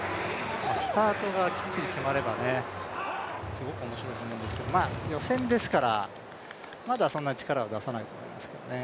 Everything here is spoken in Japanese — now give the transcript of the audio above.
スタートがきっちり決まれば、すごく面白いと思うんですけど、まあ、予選ですからまだそんなに力を出さないと思いますけどね。